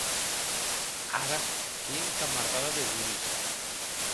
Ara qu’ei encamardada de Boris.